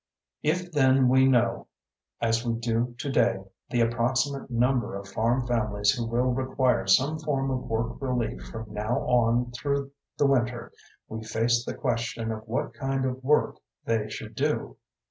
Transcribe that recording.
If then we know, as we do today, the approximate number of farm families who will require some form of work relief from now on through the winter, we face the question of what kind of work they should do.